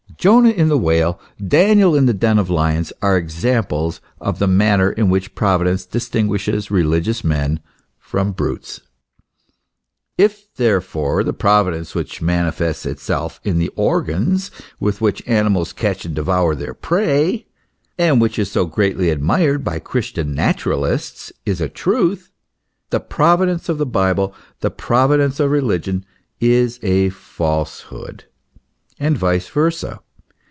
Jonah in the whale, Daniel in the den of lions, are examples of the manner in which Providence distinguishes (religious) men from brutes. If therefore the Providence which manifests itself in the organs with which animals catch and devour their prey, and which is so greatly admired by Christian naturalists, is a truth, the Pro vidence of the Bible, the Providence of religion, is a falsehood ; and vice versa